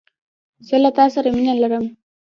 زه له تاسره مينه لرم